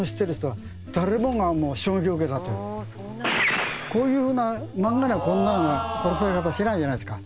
でもうこういうふうな漫画にはこんなような殺され方しないじゃないですか。